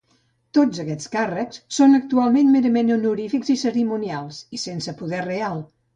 Tots aquests càrrecs són actualment merament honorífics i cerimonials i sense poder real.